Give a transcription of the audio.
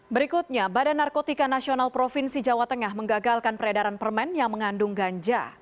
berikutnya badan narkotika nasional provinsi jawa tengah menggagalkan peredaran permen yang mengandung ganja